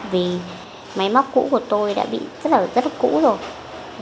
vì máy móc cũ của tôi đã bị rất là rất là cũ rồi